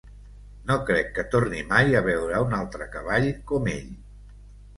No crec que torni mai a veure un altre cavall com ell.